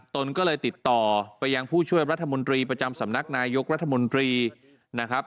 ตนก็เลยติดต่อไปยังผู้ช่วยรัฐมนตรีประจำสำนักนายกรัฐมนตรีนะครับ